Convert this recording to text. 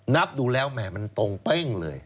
นับดูแล้วแหม่มันตรงเป้งเลย